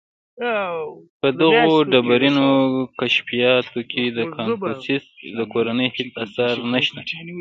• په دغو ډبرینو کشفیاتو کې د کنفوسیوس د کورنۍ هېڅ آثار نهشته.